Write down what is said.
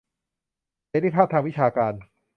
เสรีภาพทางวิชาการ